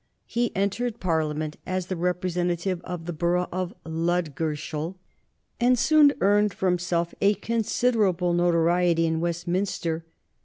He entered Parliament as the representative of the borough of Ludgershall, and soon earned for himself a considerable notoriety in Westminster.